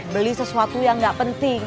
beli sesuatu yang gak penting